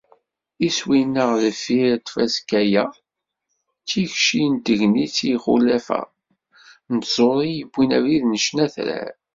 Iswi-nneɣ deffir tfaska-a, d tikci n tegnit i yixulaf-a n tẓuri i yewwin abrid n ccna atrar.